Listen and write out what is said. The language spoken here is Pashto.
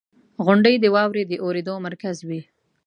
• غونډۍ د واورې د اورېدو مرکز وي.